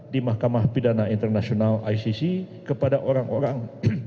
di mahkamah pidana internasional icc kepada orang orang